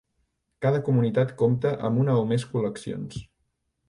Cada comunitat compta amb una o més col·leccions.